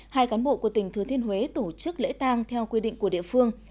hai cán bộ của tỉnh thừa thiên huế tổ chức lễ tang theo quy định của địa phương